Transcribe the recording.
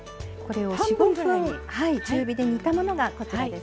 ４５分中火で煮たものがこちらですね。